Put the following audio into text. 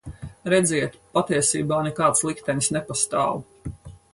Redziet, patiesībā nekāds liktenis nepastāv.